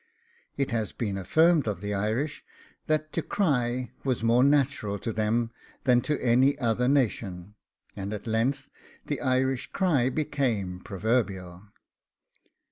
... 'It has been affirmed of the Irish, that to cry was more natural to them than to any other nation, and at length the Irish cry became proverbial.